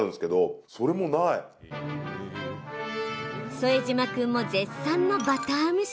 副島君も絶賛のバター蒸し。